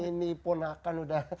ini punakan udah